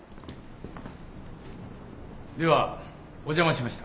ではお邪魔しました。